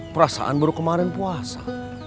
perasaan baru kemarin puasa